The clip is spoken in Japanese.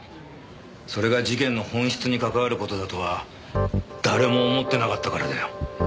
それが事件の本質に関わる事だとは誰も思ってなかったからだよ。